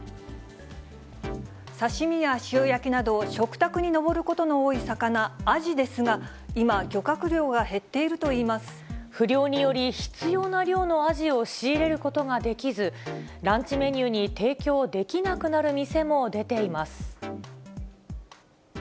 刺身や塩焼きなど、食卓に上ることの多い魚、アジですが、今、漁獲量が減っているといいま不漁により、必要な量のアジを仕入れることができず、ランチメニューに提供できなくなる店も出ています。